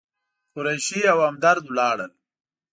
قریشي او همدرد ولاړل.